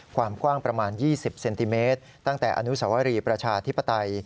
ความกว้างประมาณ๒๐เซนติเมตรตั้งแต่อนุสวรีประชาธิปไตย